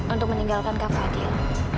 untuk meninggalkan kak fadil